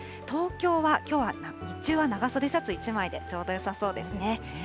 東京はきょうは日中は長袖シャツ１枚でちょうどよさそうですね。